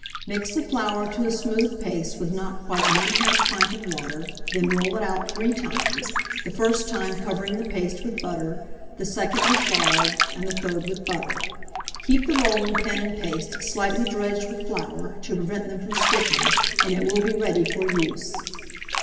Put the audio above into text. Mix the flour to a smooth paste with not quite 1/2 pint of water; then roll it out 3 times, the first time covering the paste with butter, the second with lard, and the third with butter. Keep the rolling pin and paste slightly dredged with flour, to prevent them from sticking, and it will be ready for use.